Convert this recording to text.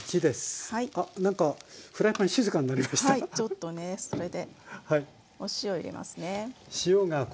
ちょっとねそれでお塩入れますね。